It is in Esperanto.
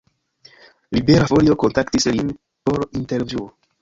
Libera Folio kontaktis lin por intervjuo.